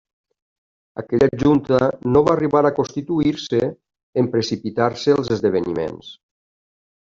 Aquella junta no va arribar a constituir-se en precipitar-se els esdeveniments.